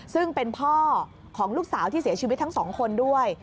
ซึ่งเป็นพ่อของลูกสาวที่เสียชีวิตทั้งสองคนด้วย